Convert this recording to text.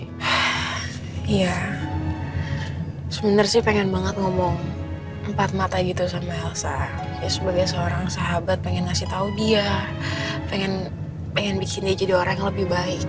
iya sebenarnya sih pengen banget ngomong empat mata gitu sama elsa sebagai seorang sahabat pengen ngasih tau dia pengen bikinnya jadi orang yang lebih baik